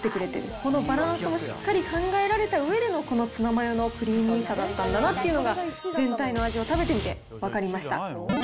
このバランスもしっかり考えられたうえでの、このツナマヨのクリーミーさだったんだなっていうのが、全体の味を食べてみて分かりました。